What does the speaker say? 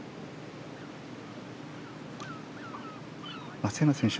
松山選手